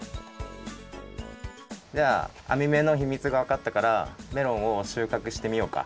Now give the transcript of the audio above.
じゃああみ目のひみつがわかったからメロンを収穫してみようか。